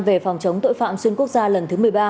về phòng chống tội phạm xuyên quốc gia lần thứ một mươi ba